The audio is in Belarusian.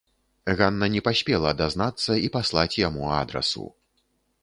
Ганна не паспела дазнацца і паслаць яму адрасу.